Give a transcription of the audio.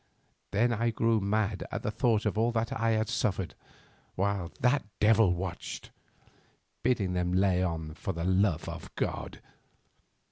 Then I grew mad at the thought of all that I had suffered, while that devil watched, bidding them lay on for the love of God.